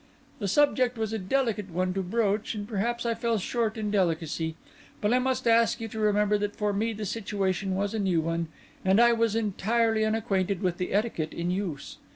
The subject was a delicate one to broach; and perhaps I fell short in delicacy. But I must ask you to remember that for me the situation was a new one, and I was entirely unacquainted with the etiquette in use.